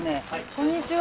こんにちは。